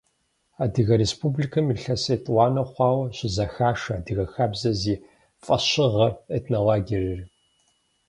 Адыгэ Республикэм илъэс етӏуанэ хъуауэ щызэхашэ «Адыгэ хабзэ» зи фӏэщыгъэ этнолагерыр.